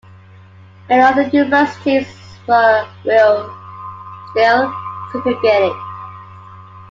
Many other universities were still segregated.